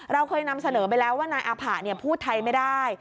เราเคยนำเสนอไปแล้วว่านายอาผะพูดไทยไม่ได้